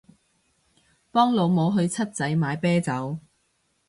幫老母去七仔買啤酒